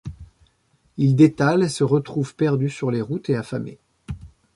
Ils détalent et se retrouvent perdus sur les routes et affamés.